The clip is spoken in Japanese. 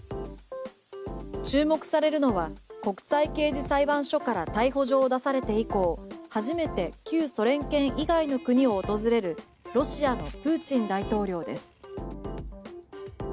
注目されるのは国際刑事裁判所から逮捕状を出されて以降初めて旧ソ連圏以外の国を訪れるロシアのプーチン大統領です。